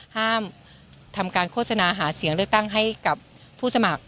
ห้ามทำการโฆษณาหาเสียงเลือกตั้งให้กับผู้สมัคร